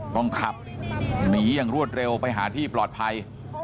ต้องขับหนีอย่างรวดเร็วไปหาที่ปลอดภัย